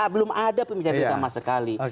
belum ada pembicaraan itu sama sekali